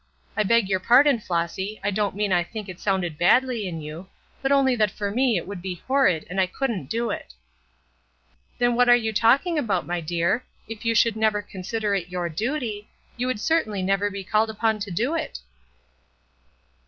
I beg your pardon, Flossy, I don't mean I think it sounded badly in you; but only that for me it would be horrid, and I couldn't do it." "Then what are you talking about, my dear? If you should never consider it your duty, you would certainly never be called upon to do it."